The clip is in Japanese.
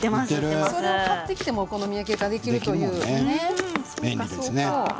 それを買ってきてもお好み焼きができるというね。